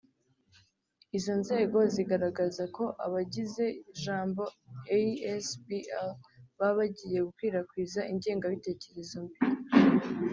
izo nzego zigaragaza ko abagize "Jambo asbl" baba bagiye gukwirakwiza ingengabitekerezo mbi